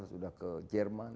saya sudah ke jerman